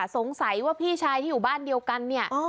สงสัยว่าพี่ชายที่อยู่บ้านเดียวกันเนี่ย